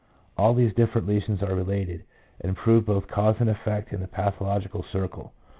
All these different lesions are related, and prove both cause and effect in the pathological circle.